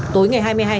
tối ngày hai mươi hai